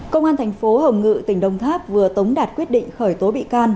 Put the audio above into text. công an thành phố hồng ngự tỉnh đông tháp vừa tống đạt quyết định khởi tố bị can